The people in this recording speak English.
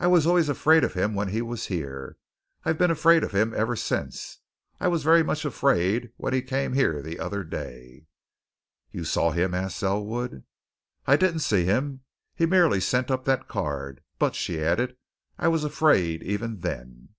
I was always afraid of him when he was here I've been afraid of him ever since. I was very much afraid when he came here the other day." "You saw him?" asked Selwood. "I didn't see him. He merely sent up that card. But," she added, "I was afraid even then."